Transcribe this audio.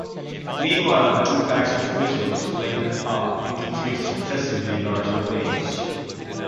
Meanwhile, the two packs of missiles link up into three successively larger waves.